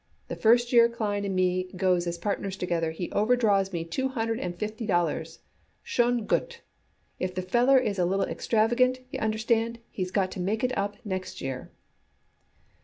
The first year Klein and me goes as partners together, he overdraws me two hundred and fifty dollars. Schon gut. If the feller is a little extravagent, y'understand, he's got to make it up next year."